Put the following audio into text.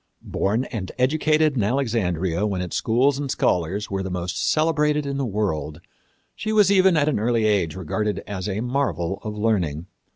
Born and educated in Alexandria when its schools and scholars were the most celebrated in the world, she was even at an early age regarded as a marvel of learning.